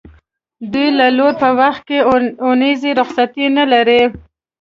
دوی د لو په وخت کې اونیزه رخصتي نه لري.